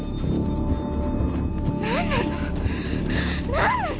何なの？